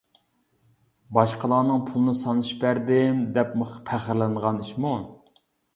باشقىلارنىڭ پۇلىنى سانىشىپ بەردىم، دەپمۇ پەخىرلىنىدىغان ئىشمۇ.